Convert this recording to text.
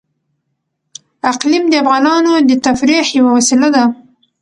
اقلیم د افغانانو د تفریح یوه وسیله ده.